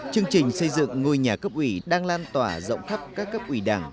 chương trình xây dựng ngôi nhà cấp ủy đang lan tỏa rộng khắp các cấp ủy đảng